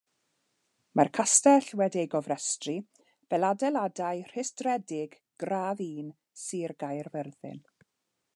Mae'r castell wedi'i gofrestru fel Adeiladau rhestredig Gradd Un Sir Gaerfyrddin.